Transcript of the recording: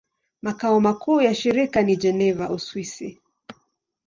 Makao makuu ya shirika ni Geneva, Uswisi.